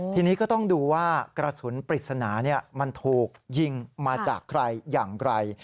ทีนี้ก็ต้องดูว่ากระสุนปริศนามันถูกยิงมาจากใครอย่างไร